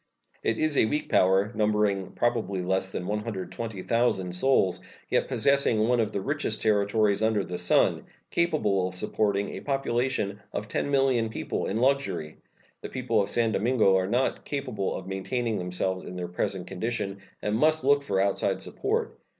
It is a weak power, numbering probably less than 120,000 souls, and yet possessing one of the richest territories under the sun, capable of supporting a population of 10,000,000 people in luxury. The people of San Domingo are not capable of maintaining themselves in their present condition, and must look for outside support.